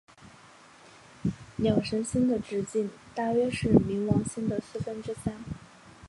鸟神星的直径大约是冥王星的四分之三。